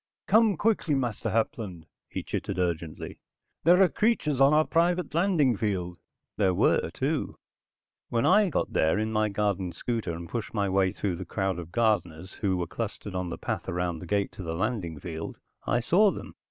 "Come quickly, Master Hapland," he chittered urgently. "There are creatures on our private landing field." There were, too. When I got there in my garden scooter, and pushed my way through the crowd of gardeners who were clustered on the path and around the gate to the landing field, I saw them.